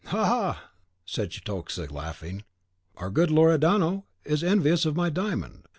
"Ha, ha!" said Cetoxa, laughing, "our good Loredano is envious of my diamond.